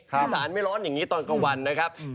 ภาษาสารแล้วไม่ร้อนอย่างนี้ตอนกว่าวันนะครับ